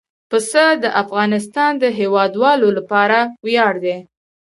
پسه د افغانستان د هیوادوالو لپاره ویاړ دی.